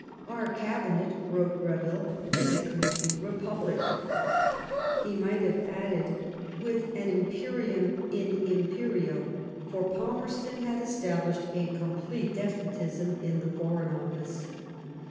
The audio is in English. Our Cabinet/' wrote Greville, is a complete republic'' ; he might have added, with , an imperium in imperio^ for Palmerston had established ; a complete despotism in the Foreign OflBce.